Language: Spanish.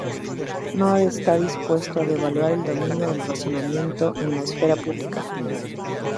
No está dispuesto a devaluar el dominio del razonamiento en la esfera pública.